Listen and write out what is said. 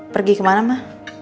pergi kemana ma